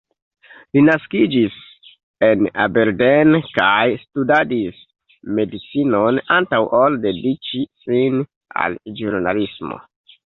Li naskiĝis en Aberdeen, kaj studadis medicinon antaŭ ol dediĉi sin al ĵurnalismo.